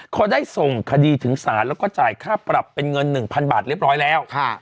เขาได้ส่งคดีถึงศาลแล้วก็จ่ายค่าปรับเป็นเงิน๑๐๐บาทเรียบร้อยแล้ว